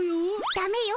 ダメよ。